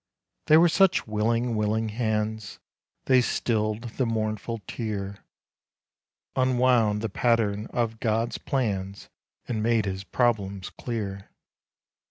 They were such willing, willing hands, They stilled the mournful tear, Unwound the pattern of God's plans, And made his problems clear.